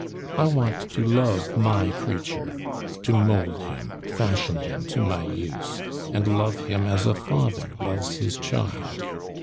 I want to love my creature, to mould him, fashion him to my use, and love him as a father loves his child.